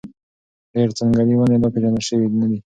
ډېر ځنګلي ونې لا پېژندل شوي نه دي.